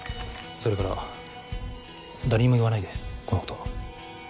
それから誰にも言わないでこのこと。